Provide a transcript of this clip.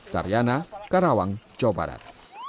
tariana karawang jawa barat